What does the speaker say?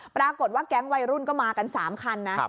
ปรากฏว่าแก๊งวัยรุ่นก็มากัน๓คันนะ